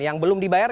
yang belum dibayar